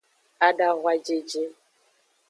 Adahwajeje.